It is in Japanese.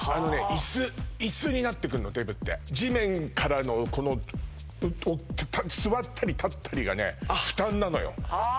イスイスになってくんのデブって地面からのこの座ったり立ったりがね負担なのよああ